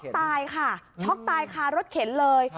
ตายค่ะช็อกตายคารถเข็นเลย